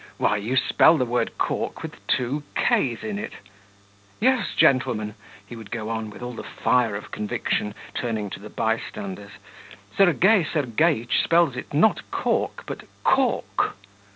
Why, you spell the word cork with two k's in it.... Yes, gentlemen,' he would go on, with all the fire of conviction, turning to the bystanders, 'Sergei Sergeitch spells it not cork, but kork.'